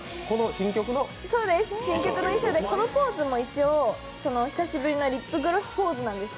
新曲の衣装でこのポーズも一応、「久しぶりのリップグロス」ポーズなんです。